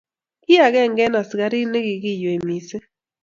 Ki agenge eng askariat nekikiywei mising.